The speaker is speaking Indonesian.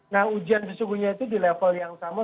nah ujian sesungguhnya itu di level yang sama